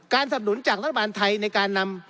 สนุนจากรัฐบาลไทยในการนำ